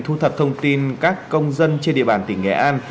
thu thập thông tin các công dân trên địa bàn tỉnh nghệ an